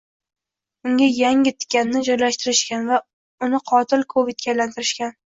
unga yangi «tikan»ni joylashtirishgan va uni qotil Covidga aylantirishgan.